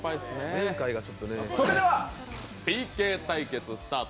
それではＰＫ対決スタート。